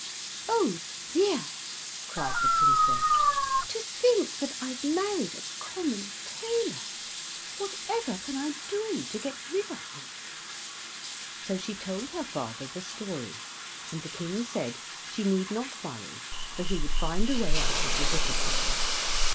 "Oh, dear," cried the Princess, "to think that I've married a common tailor! Whatever can I do to get rid of him?" So she told her father the story, and the King said she need not worry, for he would find a way out of the difficulty.